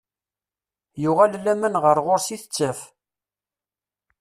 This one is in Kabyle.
Yuɣal laman ɣer ɣur-s i tettaf.